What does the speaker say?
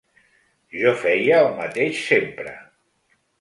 Jo feia el mateix sempre.